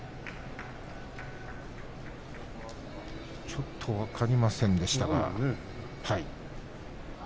ちょっと分かりませんでしたが。